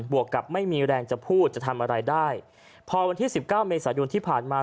วกกับไม่มีแรงจะพูดจะทำอะไรได้พอวันที่สิบเก้าเมษายนที่ผ่านมา